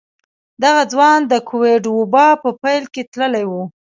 دغه ځوان د کوويډ وبا په پيل کې تللی و.